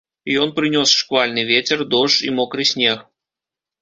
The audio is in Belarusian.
Ён прынёс шквальны вецер, дождж і мокры снег.